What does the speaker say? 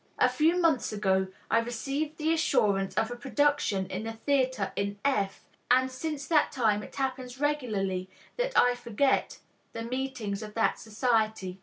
A few months ago I received the assurance of a production in the theatre in F., and since that time it happens regularly that I forget the meetings of that society.